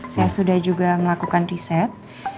saya sudah juga melakukan riset